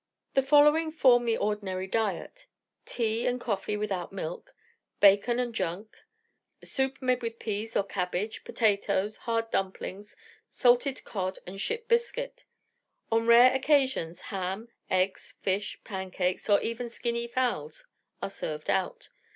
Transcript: The following form the ordinary diet: tea and coffee without milk, bacon and junk, soup made with pease or cabbage, potatoes, hard dumplings, salted cod, and ship biscuit. On rare occasions, ham, eggs, fish, pancakes, or even skinny fowls, are served out.